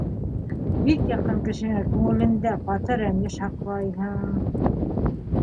Бик яҡын кешеңә күңелендә ҡаты рәнйеш һаҡлайһың...